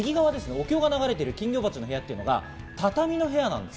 お経が流れている金魚鉢の部屋、畳の部屋なんです。